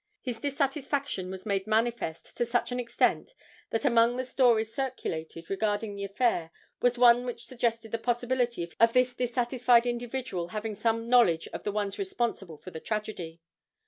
His dissatisfaction was made manifest to such an extent that among the stories circulated regarding the affair was one which suggested the possibility of this dissatisfied individual having some knowledge of the ones responsible for the tragedy.